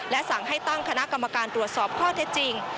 และสั่งให้ตั้งคณะกรรมการตรวจสอบข้อเท็จจริง